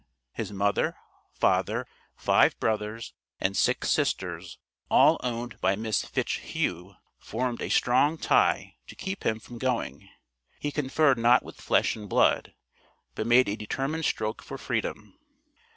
His mother, father, five brothers and six sisters all owned by Miss Fitchhugh, formed a strong tie to keep him from going; he "conferred not with flesh and blood," but made a determined stroke for freedom.